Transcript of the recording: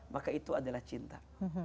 maka itu adalah cinta